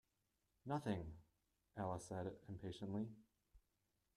‘Nothing!’ Alice said impatiently.